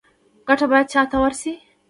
ګټه باید چا ته ورسي؟